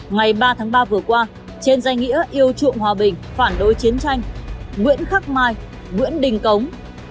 ngày ba tháng ba vừa qua trên danh nghĩa yêu chuộng hòa bình phản đối chiến tranh nguyễn khắc mai nguyễn đình cống